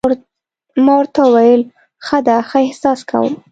ما ورته وویل: ښه ده، ښه احساس کوم.